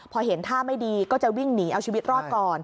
พอเห็นท่าไม่ดีก็จะวิ่งหนีเอาชีวิตรอดก่อน